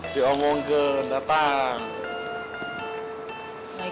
diomong ke datang